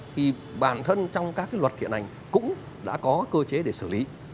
thì bản thân trong các cái luật hiện ảnh cũng đã có cơ chế để xử lý